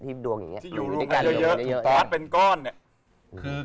ที่ดวงอย่างเงี้ย